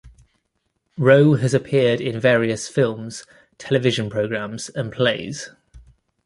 Rowe has appeared in various films, television programmes and plays.